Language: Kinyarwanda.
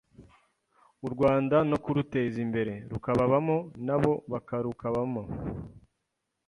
u Rwanda no kuruteza imbere, rukababamo nabo bakarukabamo.